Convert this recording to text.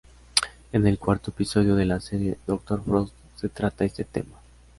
En el cuarto episodio de la serie Dr. Frost se trata este tema.